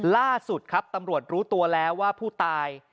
ล่าสุดครับตำรวจรู้ตัวแล้วว่าผู้ตาย